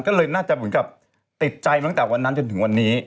ก็เลยน่าจะเหมือนกับติดใจตั้งแต่วันนั้นจนถึงวันนี้